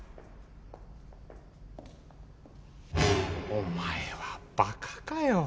お前はバカかよ。